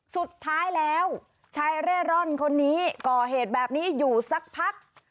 สุดท้ายแล้วชายเร่ร่อนคนนี้ก่อเหตุแบบนี้อยู่สักพัก